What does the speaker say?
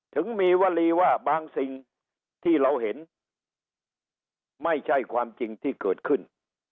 ถึงมีวลีว่าบางสิ่งที่เราเห็นไม่ใช่ความจริงที่เกิดขึ้น